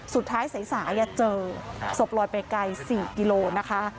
สุดท้ายสายจะเจอศพลอยไปไกล๔กิโลนะคะ